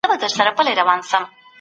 روښانه فکر کار نه خرابوي.